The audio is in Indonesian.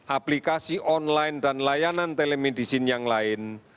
aplikasi online dan layanan telemedicine yang lain